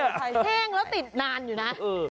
แข้งแล้วติดนานอยู่นะ